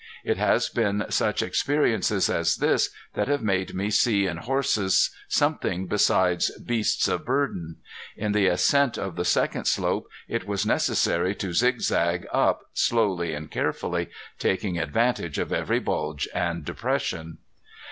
It has been such experiences as this that have made me see in horses something besides beasts of burden. In the ascent of the second slope it was necessary to zigzag up, slowly and carefully, taking advantage of every bulge and depression.